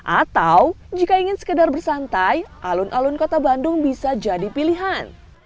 atau jika ingin sekedar bersantai alun alun kota bandung bisa jadi pilihan